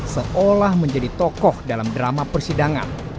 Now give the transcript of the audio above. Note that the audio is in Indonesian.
seolah menjadi tokoh dalam drama persidangan